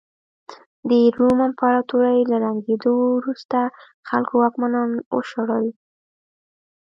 د روم امپراتورۍ له ړنګېدو وروسته خلکو واکمنان وشړل